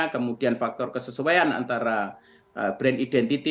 kemudian faktor kesesuaian antara brand identity